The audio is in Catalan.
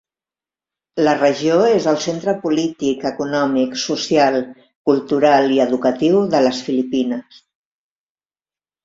La regió és el centre polític, econòmic, social, cultural i educatiu de les Filipines.